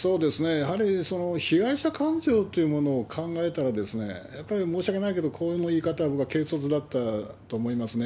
やはり被害者感情というものを考えたら、やっぱり申し訳ないけど、こういう言い方は僕は軽率だったと思いますね。